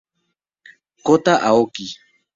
Kota Aoki